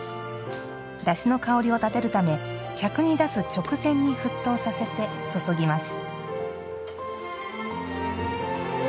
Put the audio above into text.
だしの香りを立てるため客に出す直前に沸騰させて注ぎます。